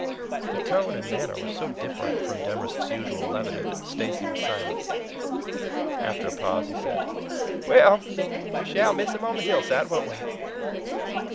The tone and manner were so different from Demorest's usual levity that Stacy was silent. After a pause he said: "Well! we shall miss him on the hillside won't we?"